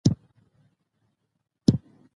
که طالب العلم د علم د زده کړې پر مهال کوشش وکړي